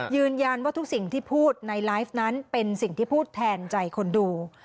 ว่าทุกสิ่งที่พูดในไลฟ์นั้นเป็นสิ่งที่พูดแทนใจคนดู